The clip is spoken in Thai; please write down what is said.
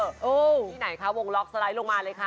ที่ไหนคะวงล็อกสไลด์ลงมาเลยค่ะ